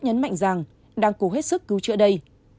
nhấn mạnh rằng đang cố hết sức cứu trợ đây